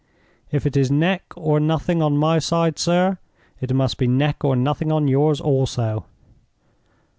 If it is neck or nothing on my side, sir, it must be neck or nothing on yours also."